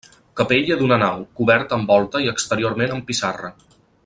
Capella d'una nau, coberta amb volta i exteriorment amb pissarra.